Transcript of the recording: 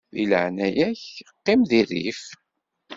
Di leɛnaya-k qqim di rrif.